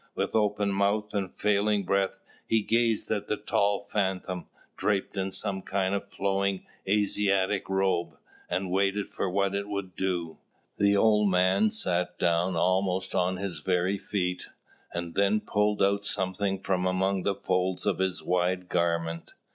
With open mouth, and failing breath, he gazed at the tall phantom, draped in some kind of a flowing Asiatic robe, and waited for what it would do. The old man sat down almost on his very feet, and then pulled out something from among the folds of his wide garment.